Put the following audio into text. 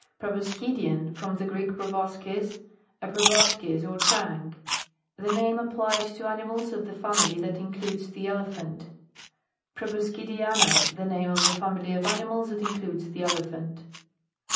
PROBOSCIDIAN. From the Greek, pro boskis, a proboscis or trunk. The name applied to animals of the family that includes the elephant. PROBOSCIDIANA. The name of the family of animals that includes the elephant.